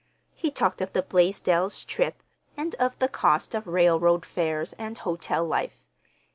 He talked of the Blaisdells' trip, and of the cost of railroad fares and hotel life.